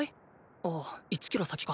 ああ１キロ先か。